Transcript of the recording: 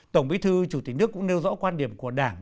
tổng bí thư chủ tịch nước cũng nêu rõ quan điểm của đảng